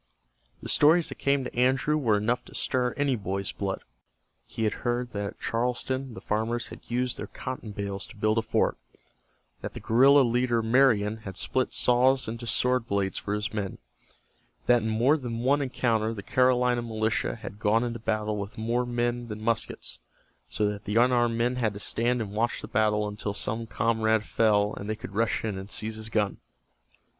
The stories that came to Andrew were enough to stir any boy's blood. He had heard that at Charleston the farmers had used their cotton bales to build a fort, that the guerrilla leader Marion had split saws into sword blades for his men, that in more than one encounter the Carolina militia had gone into battle with more men than muskets, so that the unarmed men had to stand and watch the battle until some comrade fell and they could rush in and seize his gun.